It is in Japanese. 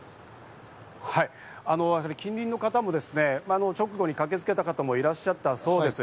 近隣の方も直後に駆けつけた方もいらっしゃったそうです。